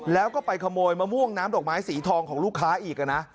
แล้วก็ไปขโมยมะม่วงน้ำดอกไม้สีทองของลูกค้าอีกนะ